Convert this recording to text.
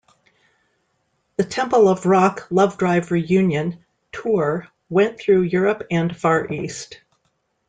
The "Temple of Rock - Lovedrive Reunion" tour went through Europe and Far East.